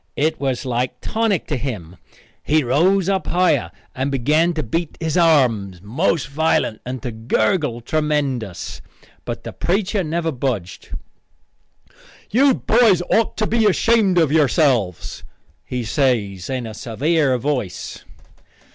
It was like tonic to him. He rose up higher and began to beat his arms most violent and to gurgle tremendous. But the preacher never budged. "You boys otter be ashamed of yourselves," he says in a severe voice.